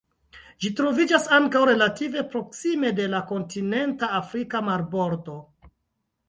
Ĝi troviĝas ankaŭ relative proksime de la kontinenta afrika marbordo.